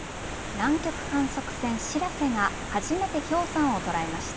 南極観測船しらせか初めて氷山を捉えました。